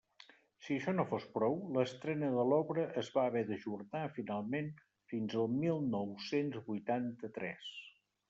Si això no fos prou, l'estrena de l'obra es va haver d'ajornar finalment fins al mil nou-cents vuitanta-tres.